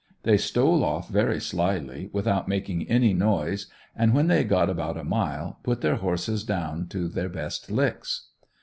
They stole off very slyly, without making any noise, and when they got about a mile, put their horses down to their best licks.